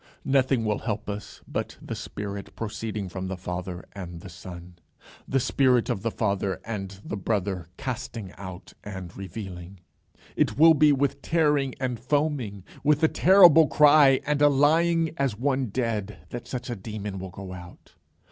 Nothing will help but the Spirit proceeding from the Father and the Son, the spirit of the Father and the Brother casting out and revealing. It will be with tearing and foaming, with a terrible cry and a lying as one dead, that such a demon will go out.